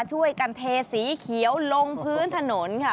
ช่วยกันเทสีเขียวลงพื้นถนนค่ะ